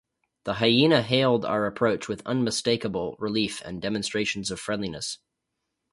The hyaena hailed our approach with unmistakable relief and demonstrations of friendliness.